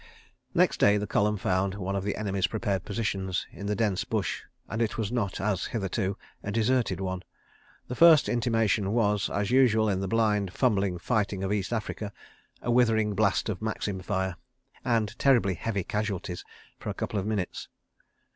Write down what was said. Next day the column found one of the enemy's prepared positions in the dense bush, and it was not, as hitherto, a deserted one. The first intimation was, as usual in the blind, fumbling fighting of East Africa, a withering blast of Maxim fire, and terribly heavy casualties for a couple of minutes.